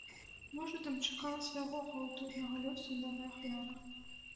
Можа, там чакала свайго хаўтурнага лёсу новая ахвяра.